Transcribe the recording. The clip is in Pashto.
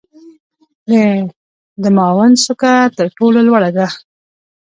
د دماوند څوکه تر ټولو لوړه ده.